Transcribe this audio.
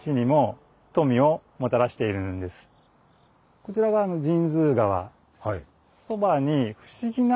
こちらが神通川。